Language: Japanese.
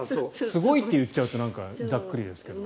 すごいって言っちゃうとざっくりですけど。